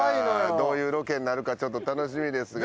どういうロケになるかちょっと楽しみですが。